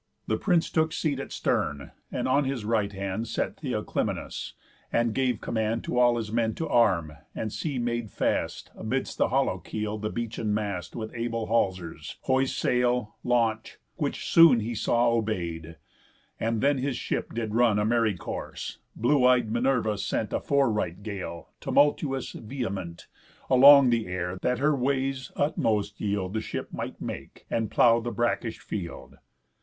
The prince took seat at stern, on his right hand Set Theoclymenus, and gave command To all his men to arm, and see made fast Amidst the hollow keel the beechen mast With able halsers, hoise sail, launch; which soon He saw obey'd. And then his ship did run A merry course; blue eyed Minerva sent A fore right gale, tumultuous, vehement, Along the air, that her way's utmost yield The ship might make, and plough the brackish field.